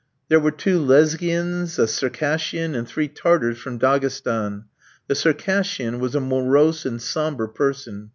There were two Lesghians, a Circassian, and three Tartars from Daghestan. The Circassian was a morose and sombre person.